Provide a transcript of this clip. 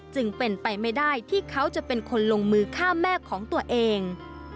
จึงเป็นไปไม่ได้ที่เขาจะเป็นคนลงมือฆ่าแม่ของตัวเอง